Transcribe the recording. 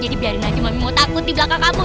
jadi biarin aja mami mau takut di belakang kamu